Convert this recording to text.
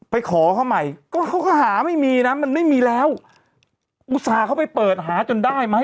ขอเขาใหม่ก็เขาก็หาไม่มีนะมันไม่มีแล้วอุตส่าห์เขาไปเปิดหาจนได้ไหม